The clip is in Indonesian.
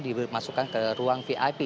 dimasukkan ke ruang vip